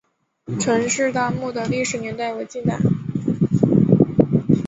陈式坦墓的历史年代为近代。